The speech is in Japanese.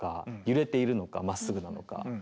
揺れているのかまっすぐなのか。